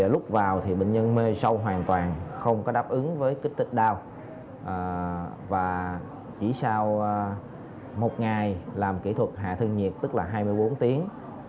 lúc vào bệnh nhân mê sâu hoàn toàn không có đáp ứng với kích thích đao và chỉ sau một ngày làm kỹ thuật hạ thân nhiệt tức là hai mươi bốn tiếng